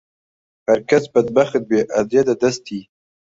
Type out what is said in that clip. هەرکەس بەدبەخت بێ ئەدرێتە دەستی